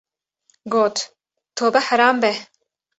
Got, Tobe heram be!